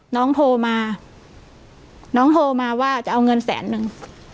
น้องโทรมาน้องโทรมาว่าจะเอาเงินแสนนึง